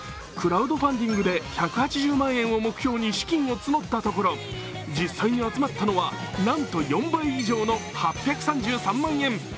クラウドファンディングで１８０万円を目標に資金を募ったところ実際に集まったのはなんと４倍以上の８３３万円。